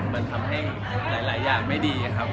มันทำให้หลายอย่างไม่ดีครับ